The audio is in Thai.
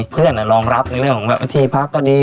เพื่อนรองรับในเรื่องแบบทีพักก็ดี